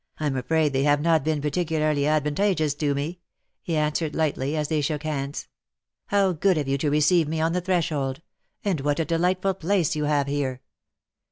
''" I^m afraid they have not been particularly advantageous to me/'' he answered, lightly, as they shook hands. '^ How good of you to receive me on the threshold ! and what a delightful place you have here